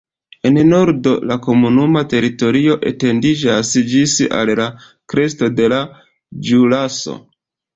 En nordo la komunuma teritorio etendiĝas ĝis al la kresto de la Ĵuraso.